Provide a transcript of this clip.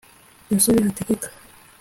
Gasore Hategeka